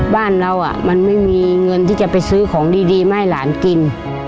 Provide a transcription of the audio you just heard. บ้านเรามันไม่มีเงินที่จะไปซื้อของดีมาให้หลานกิน